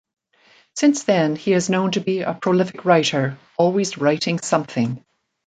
Since then, he is known to be a prolific writer, always writing something.